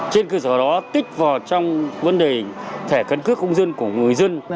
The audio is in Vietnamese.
trên cơ sở đó tích vào trong vấn đề thẻ căn cước công dân của người dân